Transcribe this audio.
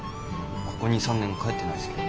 ここ２３年帰ってないっすけど。